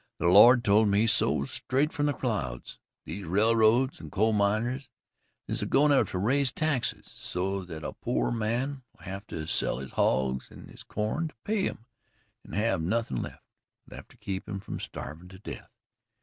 The Lord told me so straight from the clouds. These railroads and coal mines is a goin' to raise taxes, so that a pore man'll have to sell his hogs and his corn to pay 'em an' have nothin' left to keep him from starvin' to death.